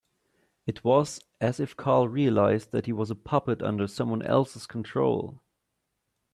It was as if Carl realised that he was a puppet under someone else's control.